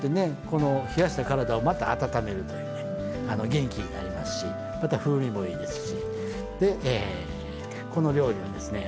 この冷やした体をまた温めるというね元気になりますしまた風味もいいですしでえこの料理はですね